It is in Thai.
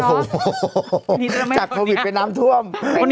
โอ้โหจากโควิดไปน้ำท่วม